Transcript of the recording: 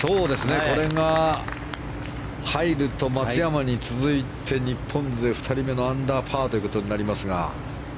これが入ると松山に続いて日本勢２人目のアンダーパーとなりますが。